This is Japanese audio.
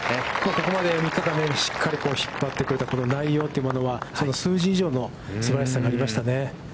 ここまで３日間でしっかり引っ張ってくれたこの内容というものは、数字以上のすばらしさがありましたね。